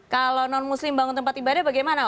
kalau non muslim bangun tempat ibadah bagaimana